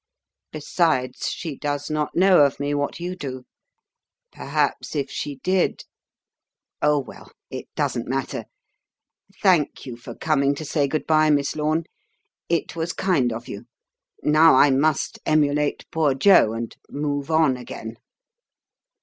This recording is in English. "Besides, she does not know of me what you do. Perhaps, if she did.... Oh, well, it doesn't matter. Thank you for coming to say good bye, Miss Lorne. It was kind of you. Now I must emulate Poor Jo, and 'move on' again."